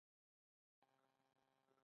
آیا موږ به یې ووینو؟